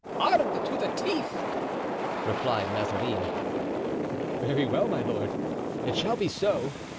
"Armed to the teeth!" replied Mazarin. "Very well, my lord; it shall be so."